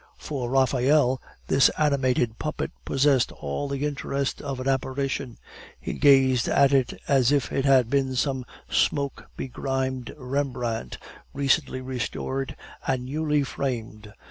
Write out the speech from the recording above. For Raphael this animated puppet possessed all the interest of an apparition. He gazed at it as if it had been some smoke begrimed Rembrandt, recently restored and newly framed.